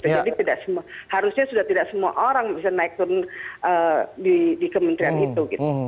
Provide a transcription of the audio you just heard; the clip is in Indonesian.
jadi tidak semua harusnya sudah tidak semua orang bisa naik turun di kementerian itu